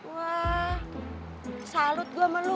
wah salut gua sama lu